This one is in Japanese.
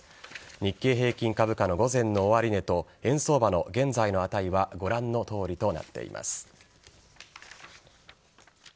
日経平均株価の午前の終値と円相場の現在の値はご覧のとおりとなっています。